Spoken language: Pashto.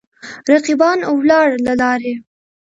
رقیبان ولاړ له لرې.